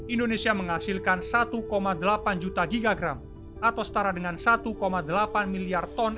indonesia menghasilkan satu delapan juta gigagram atau setara dengan satu delapan miliar ton